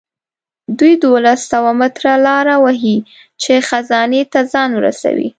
دوی دولس سوه متره لاره وهي چې خزانې ته ځان ورسوي.